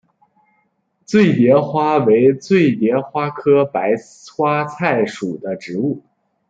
醉蝶花为醉蝶花科白花菜属的植物。